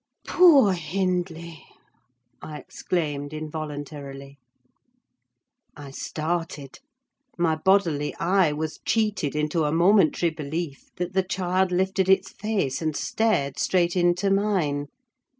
"Poor Hindley!" I exclaimed, involuntarily. I started: my bodily eye was cheated into a momentary belief that the child lifted its face and stared straight into mine!